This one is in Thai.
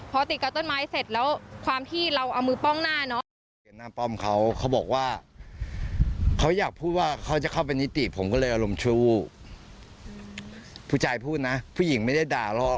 พอติดกับต้นไม้เสร็จแล้วความที่เราเอามือป้องหน้าเนาะ